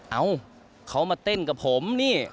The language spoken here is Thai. เอ้าเขามาเต้นกับผมนี่